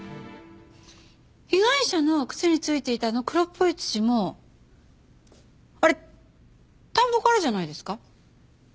被害者の靴に付いていたあの黒っぽい土もあれ田んぼからじゃないですか？